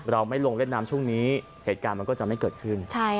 เราไม่ลงเล่นน้ำช่วงนี้เหตุการณ์มันก็จะไม่เกิดขึ้น